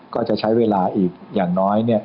ก็จะใช้เวลาอีกอย่างน้อย